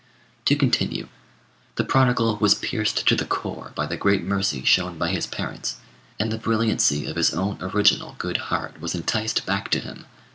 To continue: the prodigal was pierced to the core by the great mercy shown by his parents, and the brilliancy of his own original good heart was enticed back to him.